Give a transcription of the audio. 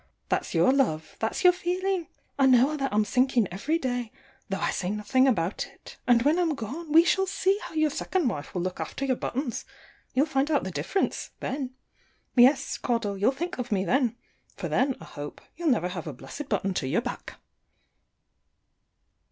That's your love; that's your feeling! I know that I'm sinking every day, though I say nothing about it. And when I'm gone, we shall see how your second wife will look after your buttons! You'll find out the difference, then. Yes, Caudle, you'll think of me, then; for then, I hope, you'll never have a blessed button to your back.